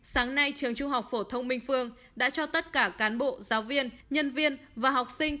sáng nay trường trung học phổ thông minh phương đã cho tất cả cán bộ giáo viên nhân viên và học sinh